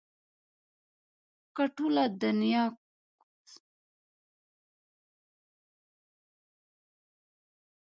که ټوله دنياکوس ونسي ، د چرگ په نصيب کونه ده